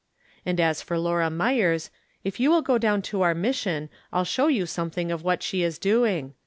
And as for Laura Myers, if you wiU go down to our mission I'll show you something of what she is doing.